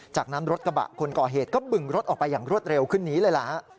จากนั้นรถกระบะคนก่อเหตุก็บึงรถออกไปอย่างรวดเร็วขึ้นนี้เลยล่ะฮะ